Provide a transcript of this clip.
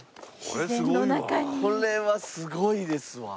これはすごいですわ。